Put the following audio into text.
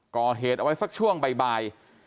ก่อเหตุเอาไว้สักช่วงบ่าย